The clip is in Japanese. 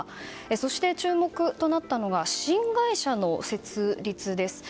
そして、注目となったのは新会社の設立です。